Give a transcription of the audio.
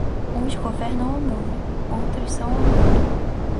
Uns governam o mundo, outros são o mundo.